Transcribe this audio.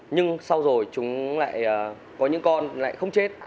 nhưng sau rồi chúng lại có những con lại không chết